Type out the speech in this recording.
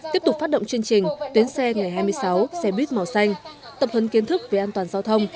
tiếp tục phát động chương trình tuyến xe ngày hai mươi sáu xe buýt màu xanh tập hấn kiến thức về an toàn giao thông